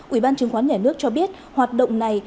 ubnd cho biết hoạt động này